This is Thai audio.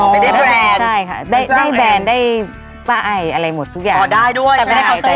อ๋อไม่ได้แบรนด์ใช่ค่ะได้แบรนด์ได้ป้าไออะไรหมดทุกอย่างอ๋อได้ด้วยใช่ไหม